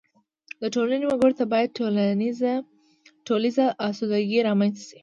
د ټولنې وګړو ته باید ټولیزه اسودګي رامنځته شي.